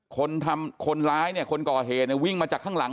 คนทำคนร้ายเนี่ยคนก่อเหตุเนี่ยวิ่งมาจากข้างหลัง